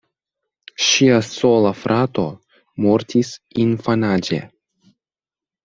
Ŝia sola frato mortis infanaĝe.